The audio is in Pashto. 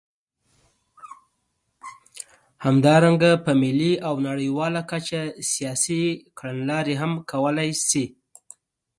همدارنګه په ملي او نړیواله کچه سیاسي کړنلارې هم کولای شي.